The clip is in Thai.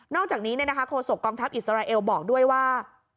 อกจากนี้โฆษกองทัพอิสราเอลบอกด้วยว่า